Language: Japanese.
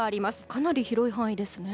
かなり広い範囲ですね。